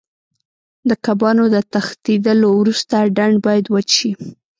د کبانو د تښتېدلو وروسته ډنډ باید وچ شي.